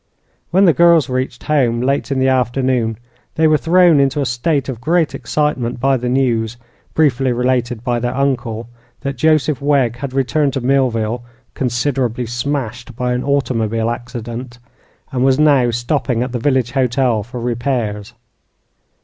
When the girls reached home late in the afternoon, they were thrown into a state of great excitement by the news, briefly related by their uncle, that Joseph Wegg had returned to Millville "considerably smashed" by an automobile accident, and was now stopping at the village hotel for repairs.